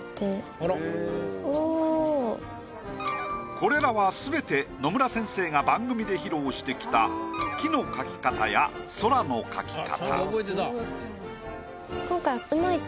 これらはすべて野村先生が番組で披露してきた木の描き方や空の描き方。